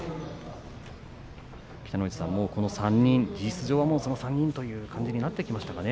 北の富士さん、もうこの３人事実上の３人となってきましたかね。